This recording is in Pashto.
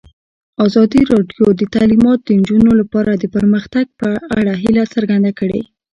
ازادي راډیو د تعلیمات د نجونو لپاره د پرمختګ په اړه هیله څرګنده کړې.